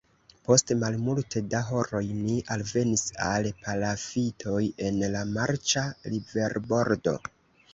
Post malmulte da horoj ni alvenis al palafitoj en la marĉa riverbordo.